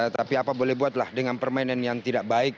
tapi apa boleh buatlah dengan permainan yang tidak baik